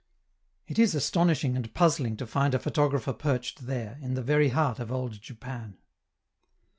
It is astonishing and puzzling to find a photographer perched there, in the very heart of old Japan.